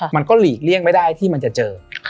มันก็หลีกเลี่ยงไม่ได้ที่มันจะเจอ